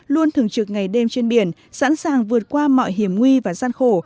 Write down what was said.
luôn thường trực ngày đêm trên biển sẵn sàng vượt qua mọi hiểm nguy và gian khổ